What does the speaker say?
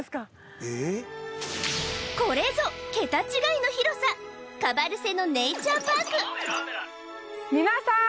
これぞ桁違いの広さカバルセノ・ネイチャー・パーク皆さん